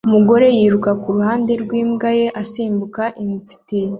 Umugore yiruka kuruhande rwimbwa ye asimbuka inzitizi